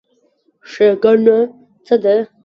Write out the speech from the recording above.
ښېګڼه څه ده؟